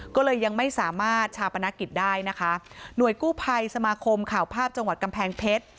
ก็เลยยังไม่สามารถชาปนกิจได้นะคะหน่วยกู้ภัยสมาคมข่าวภาพจังหวัดกำแพงเพชร